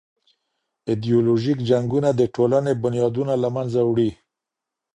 ایډیالوژیک جنګونه د ټولني بنیادونه له منځه وړي.